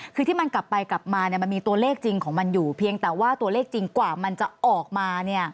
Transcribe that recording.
คือที่มันกลับไปกลับมามันมีตัวเลขจริงของมันอยู่เพียงแต่ว่าตัวเลขจริงกว่ามันจะออกมา